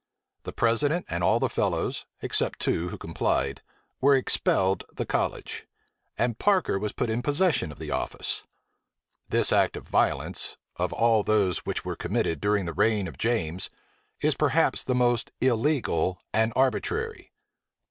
The president and all the fellows, except two who complied, were expelled the college; and Parker was put in possession of the office. This act of violence, of all those which were committed during the reign of James, is perhaps the most illegal and arbitrary.